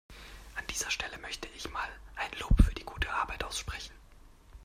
An dieser Stelle möchte ich mal ein Lob für die gute Arbeit aussprechen.